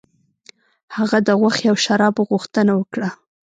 هغه د غوښې او شرابو غوښتنه وکړه.